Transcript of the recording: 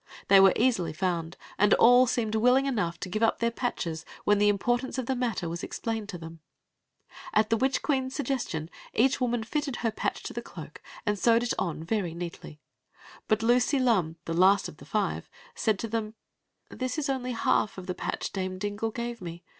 They were easily found, and all seemed willing enough to give up their patches when the importance id the matter was explained to them. At the witch queen s suggestion, each woman fitted her patch to the cloak and sewed it on very neatly; but Lucy Lum, the la^ of the five, said to thm : This is only half of the patch Dame Dingle gave me.